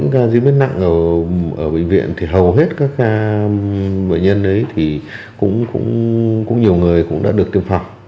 các bệnh nhân ấy thì cũng nhiều người cũng đã được tiêm phòng